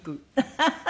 ハハハハ！